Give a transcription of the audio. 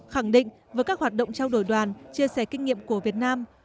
khẳng định với các hoạt động trao đổi đoàn chia sẻ kinh nghiệm của việt nam